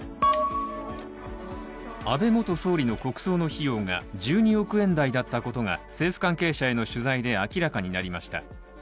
安倍元総理の国葬の費用が１２億円台だったことが政府関係者への取材で明らかになりました。